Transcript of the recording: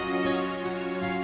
karena belum jauh